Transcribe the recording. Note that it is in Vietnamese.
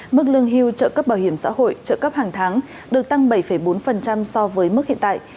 mức lương hưu trợ cấp bảo hiểm xã hội trợ cấp hàng tháng được tăng bảy bốn so với mức hiện tại